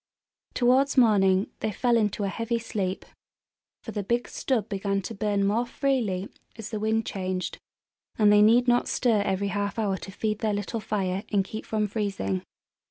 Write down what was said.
Towards morning they fell into a heavy sleep; for the big stub began to burn more freely as the wind changed, and they need not stir every half hour to feed their little fire and keep from freezing.